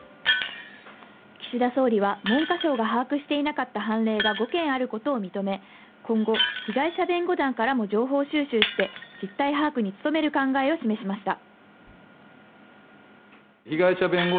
岸田総理は文科省が把握していなかった判例が５件あることを認め、今後、被害者弁護団からも情報収集して、実態把握に努める考えを示しました。